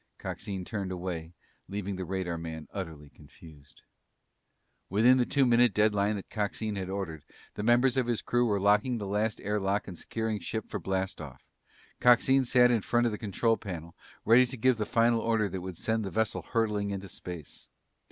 Coxine turned away, leaving the radarman utterly confused. Within the two minute deadline that Coxine had ordered, the members of his crew were locking the last air lock and securing ship for blast off. Coxine sat in front of the control panel, ready to give the final order that would send the vessel hurtling into space.